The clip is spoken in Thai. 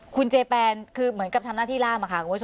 คุณเจแปนคือเหมือนกับทำหน้าที่ล่ามค่ะคุณผู้ชม